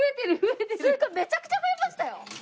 めちゃくちゃ増えましたよ。